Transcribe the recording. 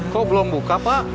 kok belum buka pak